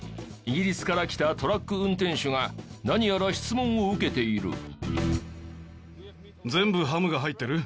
イギリスから来たトラック運転手が何やら質問を受けている。